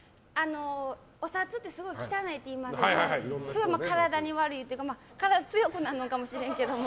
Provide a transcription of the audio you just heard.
お札って結構汚いって言いますし体に悪いというか体が強くなるんかもしれんけど。